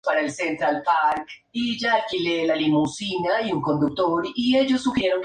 Se denominan sistemas de referencia no inerciales.